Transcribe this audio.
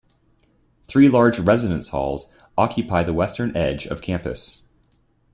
Three large residence halls occupy the western edge of campus.